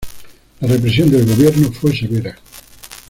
La represión del Gobierno fue severa.